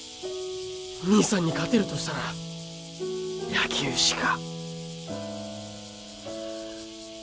兄さんに勝てるとしたら野球しか。